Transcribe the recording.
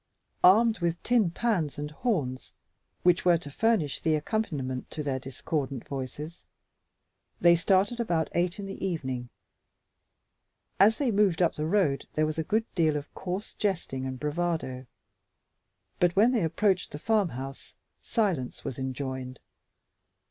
Armed with tin pans and horns which were to furnish the accompaniment to their discordant voices, they started about eight in the evening. As they moved up the road there was a good deal of coarse jesting and bravado, but when they approached the farmhouse silence was enjoined.